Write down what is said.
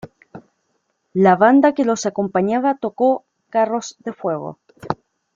La banda que los acompañaba tocó "Carros de fuego".